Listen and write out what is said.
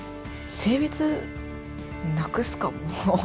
性別なくすかもう。